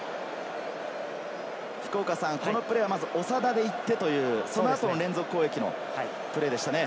このプレーは長田で行ってという、その後の連続攻撃のプレーでしたね。